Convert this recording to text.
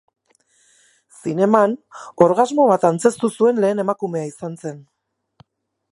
Zineman, orgasmo bat antzeztu zuen lehen emakumea izan zen.